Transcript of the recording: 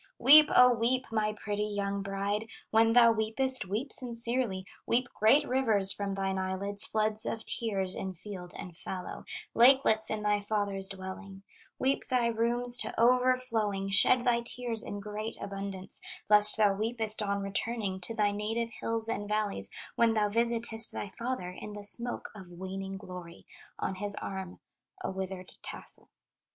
"Weep, O weep, my pretty young bride. When thou weepest, weep sincerely, Weep great rivers from thine eyelids, Floods of tears in field and fallow, Lakelets in thy father's dwelling; Weep thy rooms to overflowing, Shed thy tears in great abundance, Lest thou weepest on returning To thy native hills and valleys, When thou visitest thy father In the smoke of waning glory, On his arm a withered tassel.